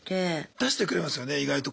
出してくれますよね意外と。